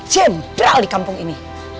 jendral di kampung ini